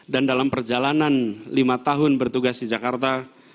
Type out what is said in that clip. dan dalam perjalanan lima tahun bertugas di jakarta